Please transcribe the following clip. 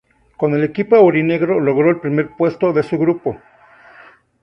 Con el equipo aurinegro logró el primer puesto de su grupo.